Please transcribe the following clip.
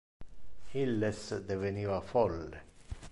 Illes deveniva folle.